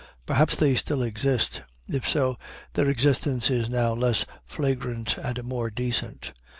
Perhaps they still exist; if so, their existence is now less flagrant and more decent.